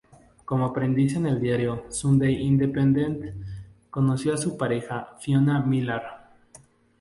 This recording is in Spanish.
Como aprendiz en el diario "Sunday Independent" conoció a su pareja Fiona Millar.